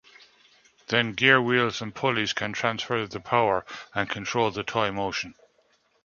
Then gear wheels and pulleys can transfer the power and control the toy motion.